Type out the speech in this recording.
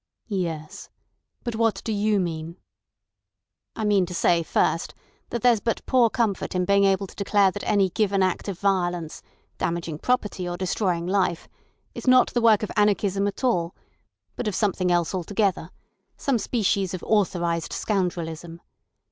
"Yes. But what do you mean?" "I mean to say, first, that there's but poor comfort in being able to declare that any given act of violence—damaging property or destroying life—is not the work of anarchism at all, but of something else altogether—some species of authorised scoundrelism.